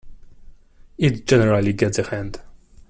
It generally gets a hand.